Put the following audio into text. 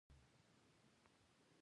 د غزني منارونه ولې کږه شوي؟